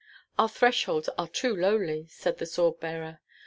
"Our thresholds are too lowly," said the sword bearer.